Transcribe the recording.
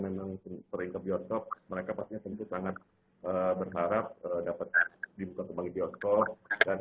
memang sering ke bioskop mereka pastinya tentu sangat berharap dapat dibuka kembali bioskop dan